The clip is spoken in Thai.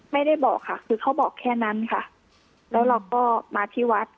ไม่ได้บอกค่ะคือเขาบอกแค่นั้นค่ะแล้วเราก็มาที่วัด